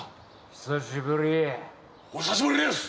久しぶりお久しぶりです